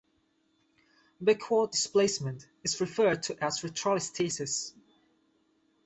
Backward displacement is referred to as retrolisthesis.